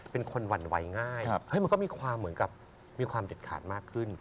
เป็นคนหวั่นไวง่ายมันก็มีความเหมือนกับมีความเด็ดขาดมากขึ้น